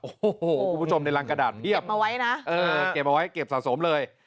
โอ้โหผู้ชมในรังกระดันเก็บมาไว้นะเก็บมาไว้เก็บสะสมเลย